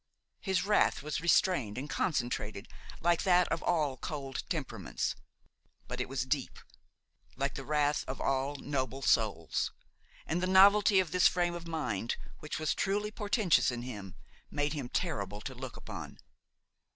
His wrath was restrained and concentrated like that of all cold temperaments; but it was deep, like the wrath of all noble souls; and the novelty of this frame of mind, which was truly portentous in him, made him terrible to look upon.